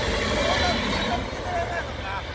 こんなのかたづけてられないのか？